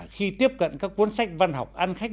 khi tiếp cận các cuốn sách văn học ăn khách